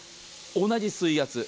同じ水圧。